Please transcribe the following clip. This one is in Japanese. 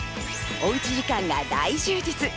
おうち時間が大充実。